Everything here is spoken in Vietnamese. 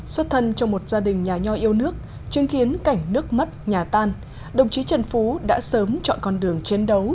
xuất thân trong một gia đình nhà nho yêu nước chứng kiến cảnh nước mất nhà tan đồng chí trần phú đã sớm chọn con đường chiến đấu